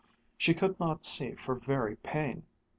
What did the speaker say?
She could not see for very pain.